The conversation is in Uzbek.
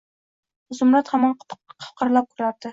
Zumrad hamon qiqirlab kulardi.